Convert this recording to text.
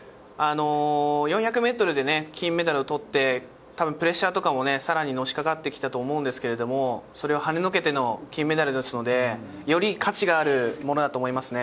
４００メートルでね、金メダルをとってたぶんプレッシャーとかもさらにのしかかってきたと思うんですけど、それをはねのけての金メダルですので、より価値があるものだと思いますね。